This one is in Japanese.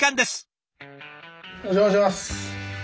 お邪魔します。